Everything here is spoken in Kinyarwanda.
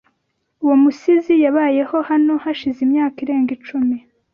Uwo musizi yabayeho hano hashize imyaka irenga icumi.